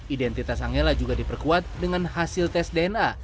identitas angela juga diperkuat dengan hasil tes dna